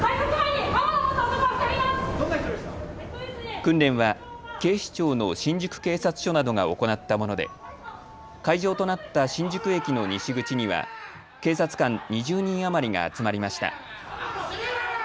訓練は警視庁の新宿警察署などが行ったもので会場となった新宿駅の西口には警察官２０人余りが集まりました。